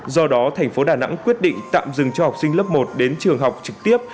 do đó thành phố đà nẵng quyết định tạm dừng cho học sinh lớp một đến trường học trực tiếp